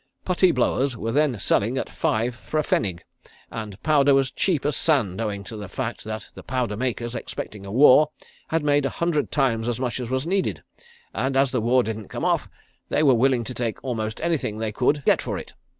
Putty blowers were then selling at five for a pfennig and powder was cheap as sand owing to the fact that the powder makers, expecting a war, had made a hundred times as much as was needed, and as the war didn't come off, they were willing to take almost anything they could get for it.